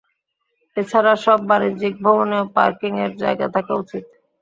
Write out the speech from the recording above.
এ ছাড়া সব বাণিজ্যিক ভবনেও পার্কিংয়ের জায়গা থাকা উচিত।